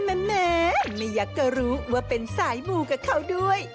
แม่ไม่อยากจะรู้ว่าเป็นสายหมู่กับเขาด้วย